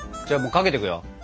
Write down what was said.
じゃあもうかけていくよ。